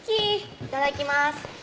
いただきます。